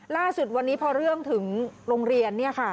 ล่าสุดวันนี้พอเรื่องถึงโรงเรียน